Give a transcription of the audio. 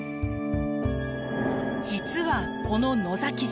実はこの野崎島